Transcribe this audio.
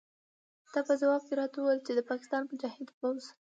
تا په ځواب کې راته وویل چې د پاکستان مجاهد پوځ.